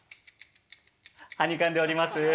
はにかんでおります。